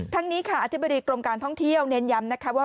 ทั้งนี้ค่ะอธิบดีกรมการท่องเที่ยวเน้นย้ำนะคะว่า